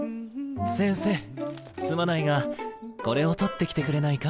老師すまないがこれを取ってきてくれないか？